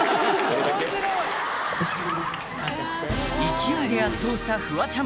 勢いで圧倒したフワちゃん